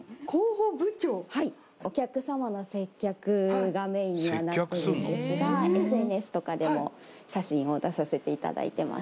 はいお客様の接客がメインにはなってるんですがを出させていただいてます